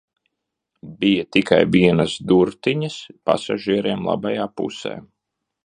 Bija tikai vienas durvtiņas pasažierim labajā pusē.